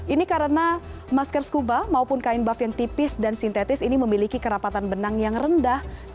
ini karena masker scuba maupun kain buff yang tipis dan sintetis ini memiliki kerapatan benang yang rendah